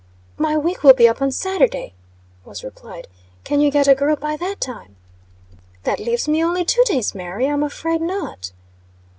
"My week will be up on Saturday," was replied. "Can you get a girl by that time?" "That leaves me only two days, Mary; I'm afraid not."